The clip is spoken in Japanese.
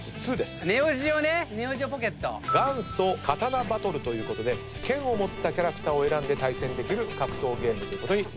元祖刀バトルということで剣を持ったキャラクターを選んで対戦できる格闘ゲームと。